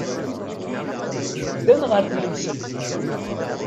Ddan ɣer tnemselt.